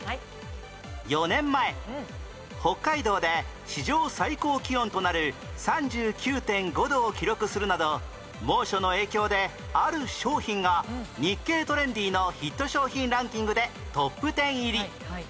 ４年前北海道で史上最高気温となる ３９．５ 度を記録するなど猛暑の影響である商品が『日経トレンディ』のヒット商品ランキングでトップ１０入り